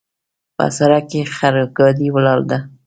په سړک کې خرګاډۍ ولاړ ده